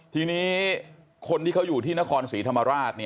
ทีนี้คนที่เขาอยู่ที่นครศรีธรรมราช